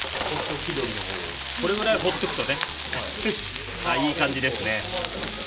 これぐらいほっておくといい感じです。